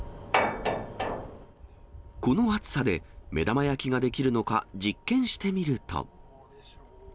この暑さで、目玉焼きができるのか、実験してみると。